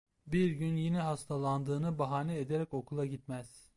Bir gün yine hastalandığını bahane ederek okula gitmez.